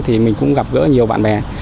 thì mình cũng gặp gỡ nhiều bạn bè